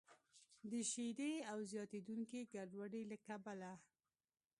د شدیدې او زیاتیدونکې ګډوډۍ له کبله